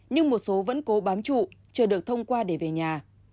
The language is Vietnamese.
nhưng một số vẫn cố bám trụ chưa được thông qua để về nhà